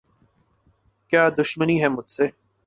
کیا دشمنی ہے مجھ سے؟